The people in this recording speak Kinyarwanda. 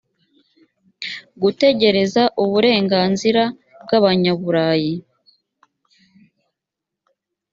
gutegereza uburenganzira bw abanyaburayi